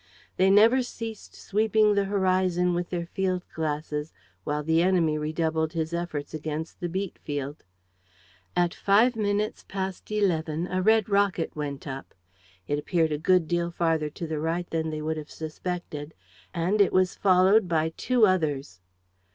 They never ceased sweeping the horizon with their field glasses, while the enemy redoubled his efforts against the beet field. At five minutes past eleven, a red rocket went up. It appeared a good deal farther to the right than they would have suspected. And it was followed by two others.